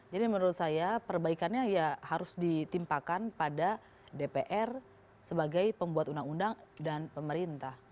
jadi menurut saya perbaikannya ya harus ditimpakan pada dpr sebagai pembuat undang undang dan pemerintah